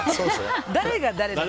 誰が誰だか。